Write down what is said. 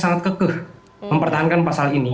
sangat kekeh mempertahankan pasal ini